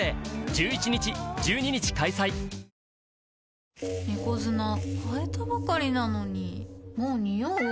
この後猫砂替えたばかりなのにもうニオう？